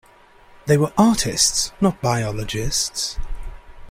They were artists, not biologists.